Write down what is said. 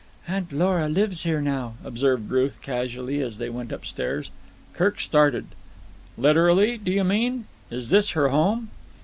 "Aunt Lora lives here now," observed Ruth casually, as they went upstairs. Kirk started. "Literally, do you mean? Is this her home?"